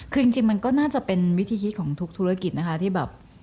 คือจริงมันก็น่าจะเป็นวิธีคิดของทุกธุรกิจนะคะที่แบบ